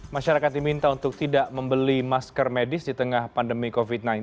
masyarakat diminta untuk tidak membeli masker medis di tengah pandemi covid sembilan belas